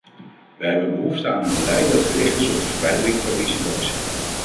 Wij hebben behoefte aan een beleid dat gericht is op de verwijdering van risico's.